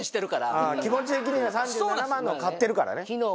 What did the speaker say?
気持ち的には３７万のを買ってるからね。